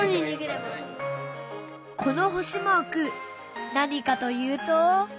この星マーク何かというと。